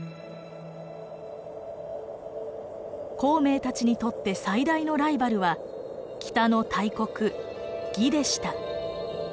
孔明たちにとって最大のライバルは北の大国魏でした。